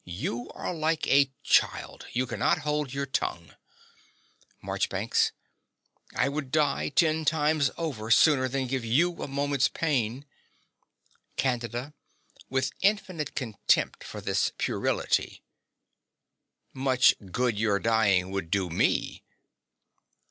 You are like a child: you cannot hold your tongue. MARCHBANKS. I would die ten times over sooner than give you a moment's pain. CANDIDA (with infinite contempt for this puerility). Much good your dying would do me!